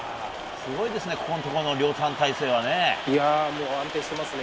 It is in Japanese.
すごいですねこのところの量産体制は。安定してますね。